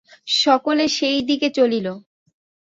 সকলে সেই দিকে চলিল।